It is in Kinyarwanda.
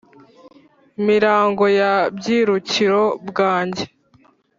mirango ya bwirukiro bwange